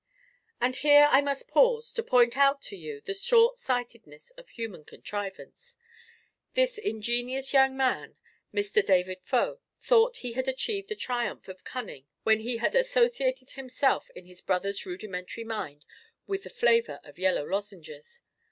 And here I must pause, to point out to you the short sightedness of human contrivance. This ingenious young man, Mr. David Faux, thought he had achieved a triumph of cunning when he had associated himself in his brother's rudimentary mind with the flavour of yellow lozenges.